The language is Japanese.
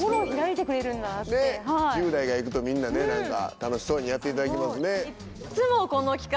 １０代が行くとみんなね楽しそうにやっていただきますね。